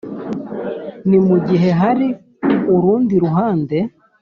Ni mugihe hari urundi ruhande